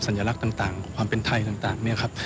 สัญลักษณ์ต่างความเป็นไทยต่างเนี่ยครับ